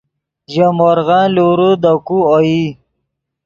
ژے مورغن لورے دے کو اوئی